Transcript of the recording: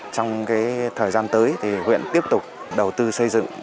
trong thời gian tới thì huyện tiếp tục đầu tư xây dựng